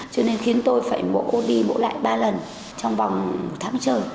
cho nên khiến tôi phải bỗ đi bỗ lại ba lần trong vòng tháng trời